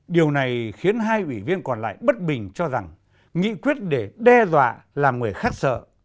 điều này khiến hai vị viên còn lại bất bình cho rằng nghị quyết để đe dọa là người khắc sợ